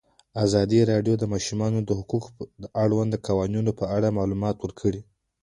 ازادي راډیو د د ماشومانو حقونه د اړونده قوانینو په اړه معلومات ورکړي.